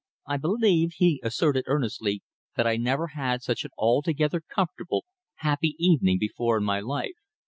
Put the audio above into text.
I believe," he asserted earnestly, "that I never had such an altogether comfortable, happy evening before in my life."